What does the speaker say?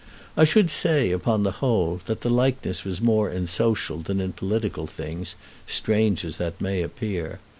I should say, upon the whole, that the likeness was more in social than in political things, strange as that may appear.